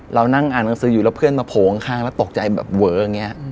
เรานั่งอ่านหนังสืออยู่แล้วเพื่อนมาโผล่ข้างแล้วตกใจแบบเวออย่างนี้